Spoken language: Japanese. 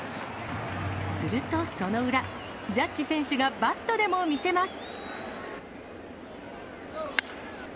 すると、その裏、ジャッジ選手がバットでも見せます。